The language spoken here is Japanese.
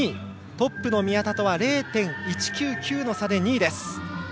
トップの宮田とは０．１９９の差で２位です。